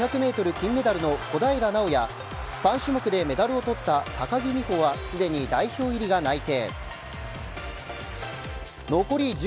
金メダルの小平奈緒や３種目でメダルを取った高木美帆はすでに代表入りが内定。